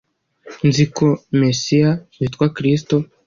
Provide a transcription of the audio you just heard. Nzi ko mesiyan witwa kristo